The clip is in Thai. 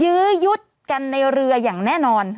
ยื้อยุดกันในเรืออย่างแน่นอน